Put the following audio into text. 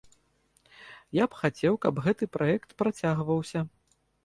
Я б хацеў, каб гэты праект працягваўся.